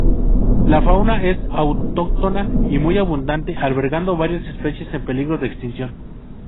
La fauna es autóctona y muy abundante, albergando varias especies en peligro de extinción.